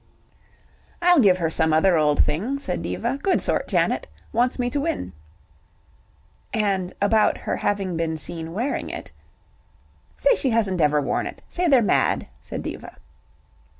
"I'll give her some other old thing," said Diva. "Good sort, Janet. Wants me to win." "And about her having been seen wearing it." "Say she hasn't ever worn it. Say they're mad," said Diva.